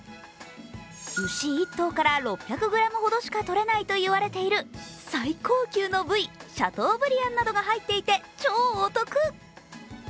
牛１頭から６００ｇほどしかとれないといわれている最高級の部位、シャトーブリアンなどが入っていて超お得。